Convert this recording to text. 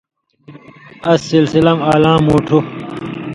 اس سلسلہ مہ الاں مُوٹُھو